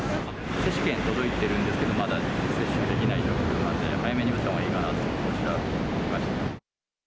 接種券届いてるんですけど、まだ接種できない状況なので、早めに打ったほうがいいかなと思って、こちらに来ました。